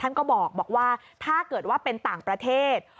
ท่านก็บอกว่าถ้าเกิดว่าเป็นต่างประเทศ